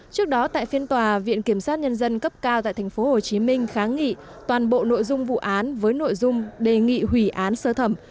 trước đó tại phiên tòa viện kiểm sát nhân dân cấp cao tại tp hcm kháng nghị toàn bộ nội dung vụ án với nội dung đề nghị hủy án sơ thẩm